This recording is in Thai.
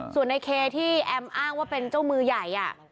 ส่วนในเคที่แอมอ้างว่าเป็นเจ้ามือใหญ่